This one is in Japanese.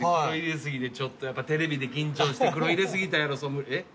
ちょっとやっぱテレビで緊張して黒入れ過ぎたやろソムえっ？